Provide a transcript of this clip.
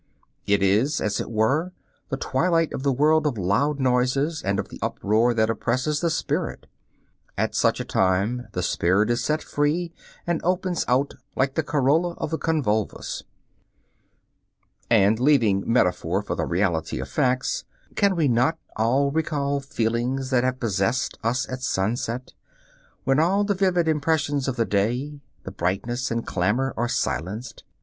It is, as it were, the twilight of the world of loud noises and of the uproar that oppresses the spirit. At such a time the spirit is set free and opens out like the corolla of the convolvulus. And leaving metaphor for the reality of facts, can we not all recall feelings that have possessed us at sunset, when all the vivid impressions of the day, the brightness and clamor, are silenced?